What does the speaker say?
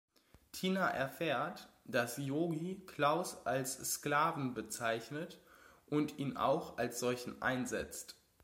Tina erfährt, dass Yogi Klaus als Sklaven bezeichnet und ihn auch als solchen einsetzt.